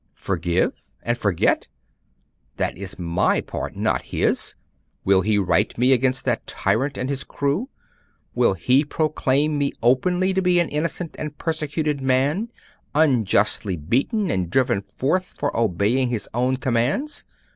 'Forgive and forget? That is my part not his. Will he right me against that tyrant and his crew? Will he proclaim me openly to be an innocent and persecuted man, unjustly beaten and driven forth for obeying his own commands?